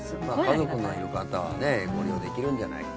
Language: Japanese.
家族のいる方はご利用できるんじゃないか。